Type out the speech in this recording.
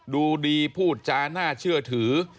ดูดีพูดจาน่าเชื่อถือ